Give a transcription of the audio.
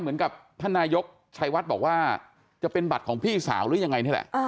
เหมือนกับท่านนายกชัยวัดบอกว่าจะเป็นบัตรของพี่สาวหรือยังไงนี่แหละ